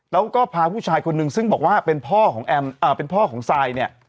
แล้วก็พาผู้ชายคนนึงซึ่งบอกว่าเป็นพ่อของแอมเป็นพ่อของซายเนี่ย